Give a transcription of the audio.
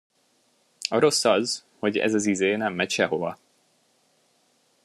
A rossz az, hogy ez az izé nem megy sehova.